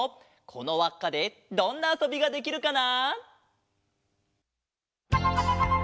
このわっかでどんなあそびができるかな！？